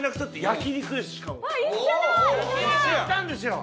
焼肉行ったんですよ。